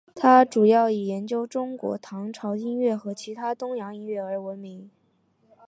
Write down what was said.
他主要以研究中国唐朝音乐和其他东洋音乐而闻名。